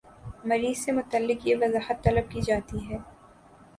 مریض سے متعلق یہ وضاحت طلب کی جاتی ہے